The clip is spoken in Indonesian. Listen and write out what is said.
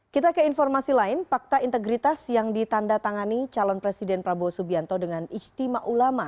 kita ke informasi lain fakta integritas yang ditanda tangani calon presiden prabowo subianto dengan ijtima ulama